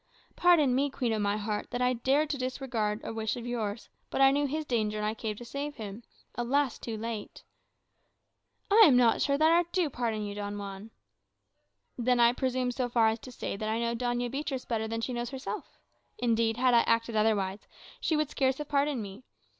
"Pardon me, queen of my heart, in that I dared to disregard a wish of yours. But I knew his danger, and I came to save him. Alas! too late." "I am not sure that I do pardon you, Don Juan." "Then, I presume so far as to say, that I know Doña Beatriz better than she knows herself. Indeed, had I acted otherwise, she would scarce have pardoned me.